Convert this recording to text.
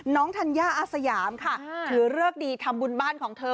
ธัญญาอาสยามค่ะถือเลิกดีทำบุญบ้านของเธอ